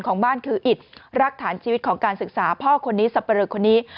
ของบ้านคืออิดรักฐานชีวิตของการศึกษาพ่อคนนี้สับปะเลอคนนี้